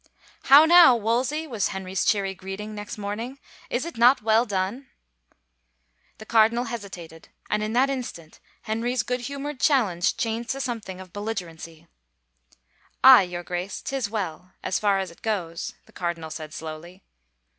" How now, Wolsey ?" was Henry's cheery greeting, next morning. " Is it not well done ?" The cardinal hesitated and in that instant Henry's good humored challenge changed to something of bel ligerency. " Aye, your Grace, 'tis well — as far as it goes," the cardinal said slowly.